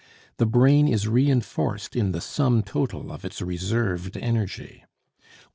The brain is reinforced in the sum total of its reserved energy.